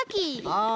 はい！